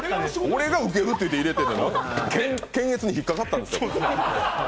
俺がウケるって言って入れたのに、検閲に引っかかったんですよ。